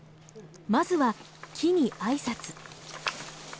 まずは木にあいさつ。